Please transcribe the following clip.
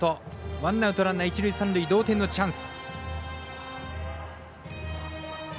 ワンアウト、ランナー、満塁同点のチャンス。